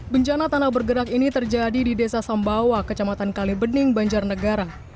bencana tanah bergerak ini terjadi di desa sambawa kecamatan kalibening banjarnegara